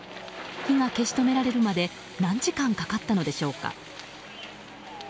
火が消し止められるまで何時間かかったのでしょうか。